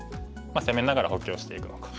攻めながら補強していくのか。